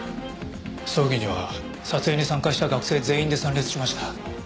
葬儀には撮影に参加した学生全員で参列しました。